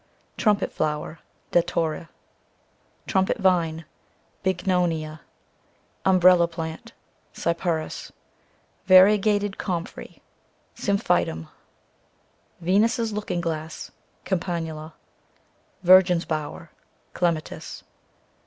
Trumpet Flower, CI Datura. Trumpet Vine, cc Bignonia. Umbrella Plant, cc Cyperus. Variegated Comfrey, cc Symphytum. Venus' Looking Glass, cc Campanula. Virgin's Bower, cc Clematis.